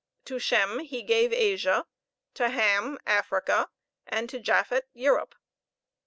To Shem he gave Asia; to Ham, Africa; and to Japhet, Europe.